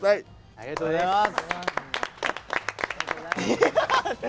ありがとうございます。